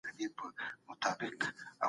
که ډاکټر راپور ورکړي نو ټولنپوه یې تحلیلوي.